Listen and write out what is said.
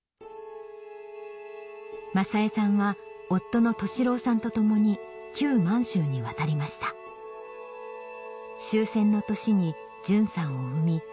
雅衛さんは夫の俊郎さんと共に満州に渡りました終戦の年に淳さんを産み